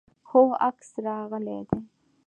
هو، عکس راغلی دی